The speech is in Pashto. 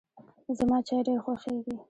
زما چای ډېر خوښیږي.